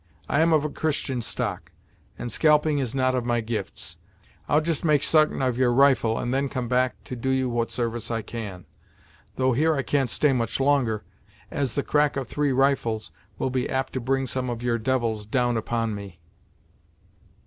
I am of a Christian stock, and scalping is not of my gifts. I'll just make sartain of your rifle, and then come back and do you what sarvice I can. Though here I can't stay much longer, as the crack of three rifles will be apt to bring some of your devils down upon me."